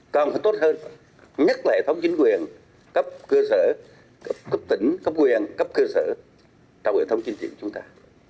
đóng hành tốt hơn nhất là hệ thống chính quyền cấp cơ sở cấp tỉnh cấp quyền cấp cơ sở trong hệ thống chính trị của chúng ta